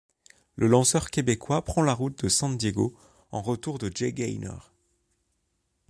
Le lanceur québécois prend la route de San Diego en retour de Jay Gainer.